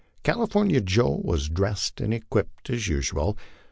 Cali fornia Joe was dressed and equipped as usual.